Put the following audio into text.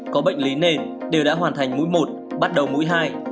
có bệnh lý nền đều đã hoàn thành mũi một bắt đầu mũi hai